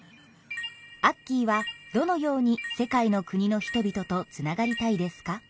アッキーはどのように世界の国の人々とつながりたいですか？